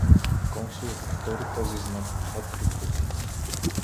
Консула повтори този знак два-три пъти.